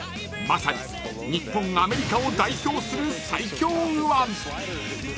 まさに、日本、アメリカを代表する最強右腕。